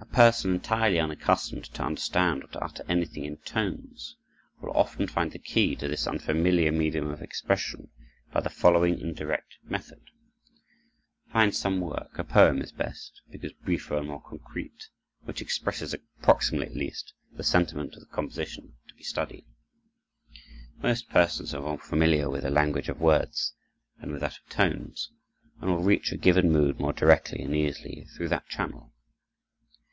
A person entirely unaccustomed to understand or to utter anything in tones, will often find the key to this unfamiliar medium of expression by the following indirect method: Find some work, a poem is best, because briefer and more concrete, which expresses, approximately at least, the sentiment of the composition to be studied. Most persons are more familiar with the language of words than with that of tones, and will reach a given mood more directly and easily through that channel.